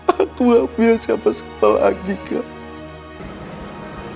aku wabi sofia siapa siapa lagi kak